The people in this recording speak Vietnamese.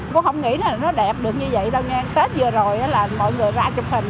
cô nghĩ là nó đẹp được như vậy đâu nha tết vừa rồi là mọi người ra chụp hình